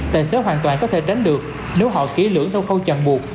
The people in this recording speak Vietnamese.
tài xế hoàn toàn có thể tránh được nếu họ ký lưỡng theo câu chẳng buộc